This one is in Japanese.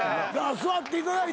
座っていただいて。